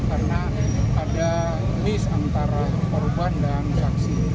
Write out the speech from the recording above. karena ada mis antara korban dan aksi